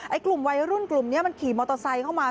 กลุ่มวัยรุ่นกลุ่มนี้มันขี่มอเตอร์ไซค์เข้ามา